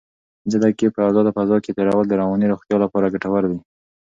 پنځه دقیقې په ازاده فضا کې تېرول د رواني روغتیا لپاره ګټور دي.